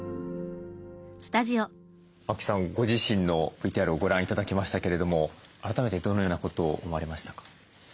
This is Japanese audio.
ご自身のＶＴＲをご覧頂きましたけれども改めてどのようなことを思われましたか？